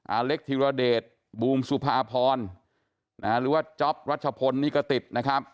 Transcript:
อเล็กธิรเดชบูมสุภาพรหรือว่าจ๊อปรัชพลนี่ก็ติดนะครับ